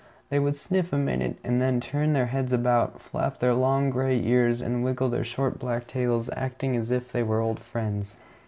They would sniff a minute and then turn their heads about, flap their long gray ears, and wiggle their short black tails, acting as if they were old friends.